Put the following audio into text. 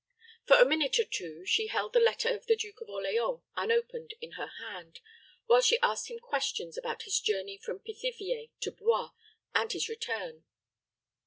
For a minute or two she held the letter of the Duke of Orleans unopened in her hand, while she asked him questions about his journey from Pithiviers to Blois, and his return.